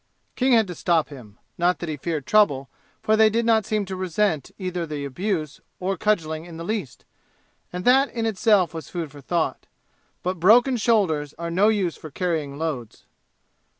King had to stop him, not that he feared trouble, for they did not seem to resent either abuse or cudgeling in the least and that in itself was food for thought; but broken shoulders are no use for carrying loads.